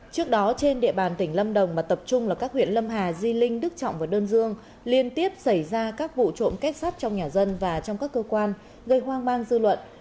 trước đó trên địa bàn tỉnh lâm đồng mà tập trung là các huyện lâm hà di linh đức trọng và đơn dương liên tiếp xảy ra các vụ trộm kết sắt trong nhà dân và trong các cơ quan gây hoang mang dư luận